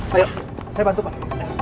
saya bantu pak